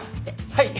はい！